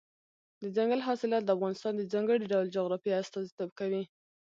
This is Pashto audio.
دځنګل حاصلات د افغانستان د ځانګړي ډول جغرافیه استازیتوب کوي.